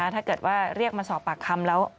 ถ้าเกิดว่าเรียกมาสอบปากคำแล้ว